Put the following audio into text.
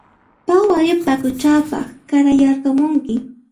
Phaway paquchapaq qarayarqamunki